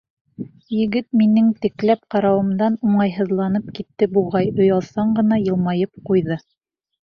Егет минең текләп ҡарауымдан уңайһыҙланып китте буғай, оялсан ғына йылмайып ҡуйҙы.